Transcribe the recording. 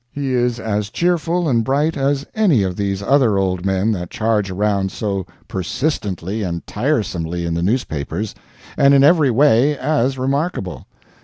He is as cheerful and bright as any of these other old men that charge around so persistently and tiresomely in the newspapers, and in every way as remarkable.